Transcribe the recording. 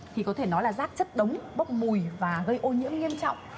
thì có thể nói là rác chất đống bốc mùi và gây ô nhiễm nghiêm trọng